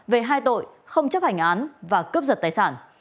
về hai tội không chấp hành án và cướp giật tài sản